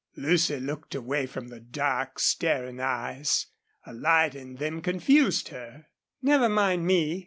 Lucy looked away from the dark, staring eyes. A light in them confused her. "Never mind me.